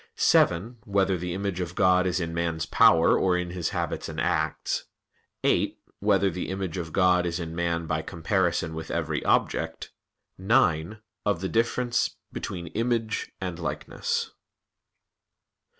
(7) Whether the image of God is in man's power or in his habits and acts? (8) Whether the image of God is in man by comparison with every object? (9) Of the difference between "image" and "likeness."